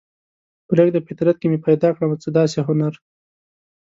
پریږده فطرت کې مې پیدا کړمه څه داسې هنر